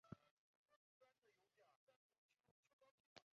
核桃街。